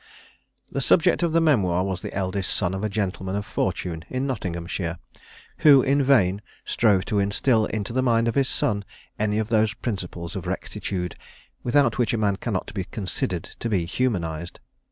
The subject of the memoir was the eldest son of a gentleman of fortune in Nottinghamshire, who in vain strove to instil into the mind of his son any of those principles of rectitude, without which man cannot be considered to be humanised.